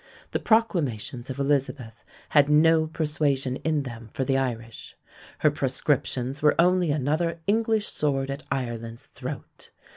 The proclamations of Elizabeth had no persuasion in them for the Irish. Her proscriptions were only another English sword at Ireland's throat.